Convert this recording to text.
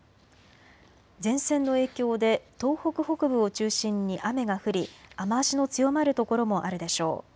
前線の影響で東北北部を中心に雨が降り雨足の強まる所もあるでしょう。